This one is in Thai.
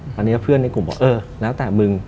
ตอนนี้เพื่อนในกลุ่มบอกเออแล้วแต่มึง